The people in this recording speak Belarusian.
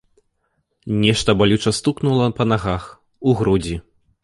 Нешта балюча стукнула па нагах, у грудзі.